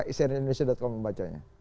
mas dugi sudah membacanya